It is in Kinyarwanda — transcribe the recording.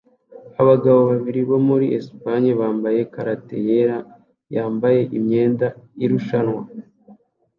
Abagabo babiri bo muri Espagne bambaye karate yera yambaye imyenda irushanwa